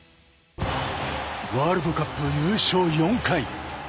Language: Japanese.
ワールドカップ優勝４回。